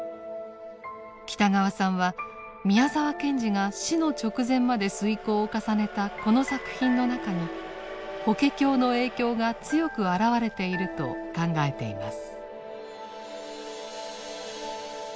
北川さんは宮沢賢治が死の直前まで推敲を重ねたこの作品の中に法華経の影響が強く表れていると考えています。